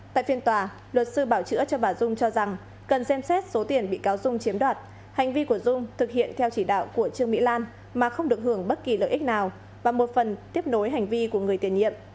tại phiên tòa luật sư bảo chữa cho bà dung cho rằng cần xem xét số tiền bị cáo dung chiếm đoạt hành vi của dung thực hiện theo chỉ đạo của trương mỹ lan mà không được hưởng bất kỳ lợi ích nào và một phần tiếp nối hành vi của người tiền nhiệm